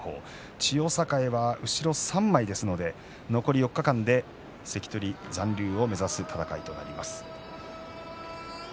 千代栄は後ろ３枚ですから関取残留を目指す戦いとなります。